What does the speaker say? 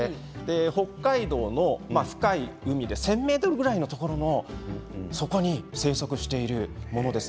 北海道の深い海で１０００ｍぐらいのところの底に生息しているものです。